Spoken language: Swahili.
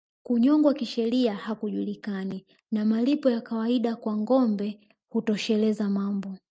Kunyongwa kisheria hakujulikani na malipo ya kawaida kwa ngombe hutosheleza mambo